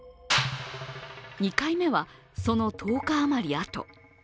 ２回目は、その１０日余りあと。